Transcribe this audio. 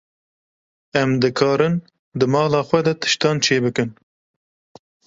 Em dikarin di mala xwe de tiştan çêbikin.